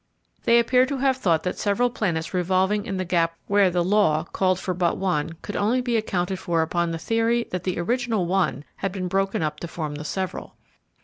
They appear to have thought that several planets revolving in the gap where the "law" called for but one could only be accounted for upon the theory that the original one had been broken up to form the several.